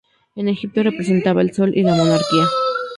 En Egipto, representaba el Sol y la Monarquía.